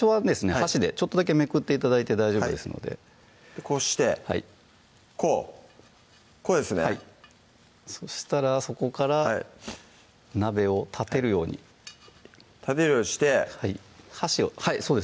箸でちょっとだけめくって頂いて大丈夫ですのでこうしてはいこうこうですねはいそしたらそこから鍋を立てるように立てるようにして箸をはいそうです